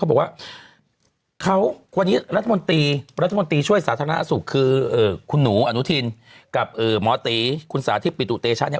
บอกว่าเขาวันนี้รัฐมนตรีช่วยสาธารณสุขคือคุณหนูอนุทินกับหมอตีคุณสาธิตปิตุเตชะเนี่ย